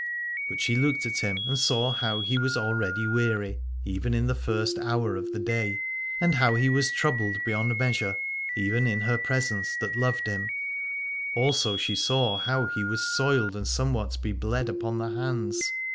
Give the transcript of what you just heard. But she looked at him and saw how he was already weary, even in the first hour of the day, and how he was troubled beyond measure, even in her presence that loved him : also she saw how he was soiled and somewhat be bled upon the hands.